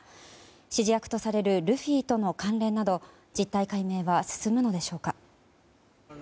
指示役とされるルフィとの関連など実態解明は進むのでしょうか。